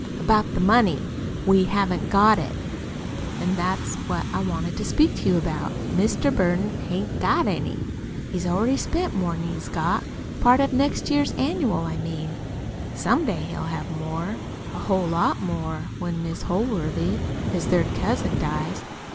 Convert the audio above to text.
"About the money we haven't got it. An' that's what I wanted to speak to you about. Mr. Burton hain't got any. He's already spent more'n he's got part of next year's annual, I mean. Some day he'll have more a whole lot more when Mis' Holworthy, his third cousin, dies.